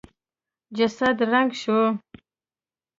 جسد ړنګ شو.